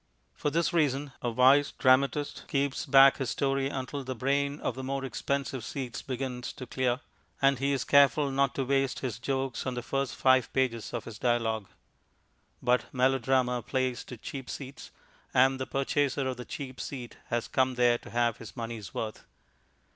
For this reason a wise dramatist keeps back his story until the brain of the more expensive seats begins to clear, and he is careful not to waste his jokes on the first five pages of his dialogue. But melodrama plays to cheap seats, and the purchaser of the cheap seat has come there to have his money's worth.